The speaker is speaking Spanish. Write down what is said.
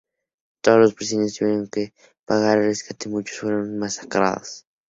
Todos los prisioneros tuvieron que pagar un rescate y muchos fueron masacrados.